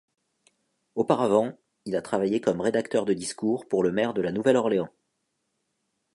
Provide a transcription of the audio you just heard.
Auparavant, il a travaillé comme rédacteur de discours pour le maire de la Nouvelle-Orléans.